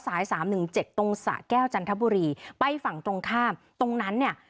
สายสามหนึ่งเจ็ดตรงสะแก้วจันทบุรีไปฝั่งตรงข้ามตรงนั้นเนี่ย